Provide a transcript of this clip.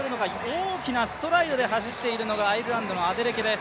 大きなストライドで走っているのがアイルランドのアデレケです。